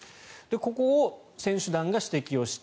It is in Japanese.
ここを選手団が指摘をして。